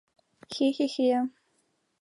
Хе-хе-хе-хе!..